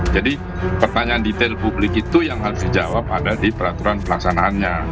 jadi pertanyaan detail publik itu yang harus dijawab pada di peraturan pelaksanaannya